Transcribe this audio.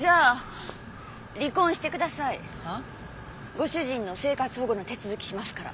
ご主人の生活保護の手続きしますから。